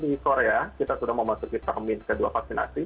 di bulan november ya kita sudah memasuki termin kedua vaksinasi